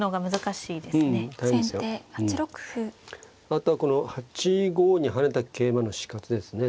あとはこの８五に跳ねた桂馬の死活ですね。